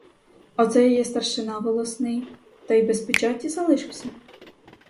Оце я є старшина волосний, та й без печаті залишуся?